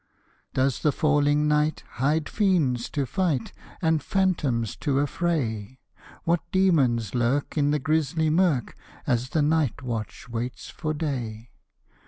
Does the falling night hide fiends to fight And phantoms to affray? What demons lurk in the grisly mirk, As the night watch waits for day?